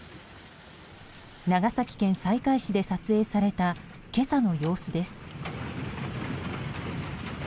長崎県西海市で撮影された今朝の様子です。